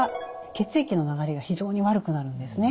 血液の流れが非常に悪くなるんですね。